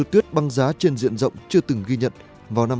tăng giá trên diện rộng chưa từng ghi nhận vào năm hai nghìn một mươi sáu